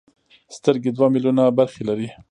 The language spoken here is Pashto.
سترګې دوه ملیونه برخې لري.